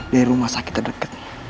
dari rumah sakit terdeket